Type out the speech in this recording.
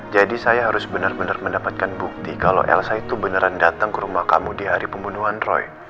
jadi saya harus benar benar mendapatkan bukti kalau elsa itu beneran datang ke rumah kamu di hari pembunuhan roy